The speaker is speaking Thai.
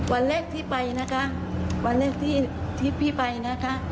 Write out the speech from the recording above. วันแรกที่ไปนะคะวันแรกที่พี่ไปนะคะ